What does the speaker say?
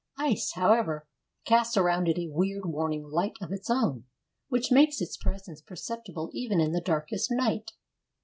Ice, however, casts around it a weird, warning light of its own, which makes its presence perceptible even in the darkest night.